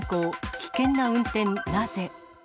危険な運転なぜ？